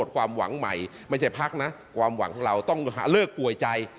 ความหวังใหม่ไม่ใช่พักนะความหวังของเราต้องเลิกป่วยใจ